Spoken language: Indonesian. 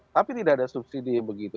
tapi tidak ada subsidi begitu